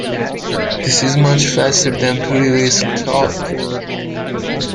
This is much faster than previously thought.